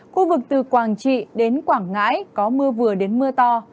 khu vực từ quảng trị đến quảng ngãi có mưa vừa đến mưa to